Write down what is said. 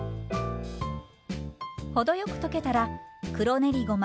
程よく溶けたら黒練りごま